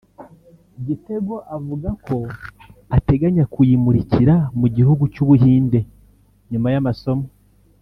Gitego avuga ko ateganya kuyimurikira mu gihugu cy’u Buhinde nyuma y’amasomo